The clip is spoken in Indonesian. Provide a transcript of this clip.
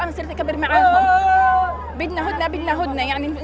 allah hu akbar allah hu akbar